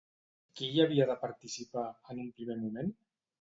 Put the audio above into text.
Qui hi havia de participar, en un primer moment?